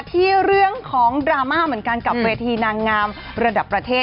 ที่เรื่องของดราม่าเหมือนกันกับเวทีนางงามระดับประเทศ